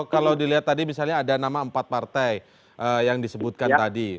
kalau dilihat tadi misalnya ada nama empat partai yang disebutkan tadi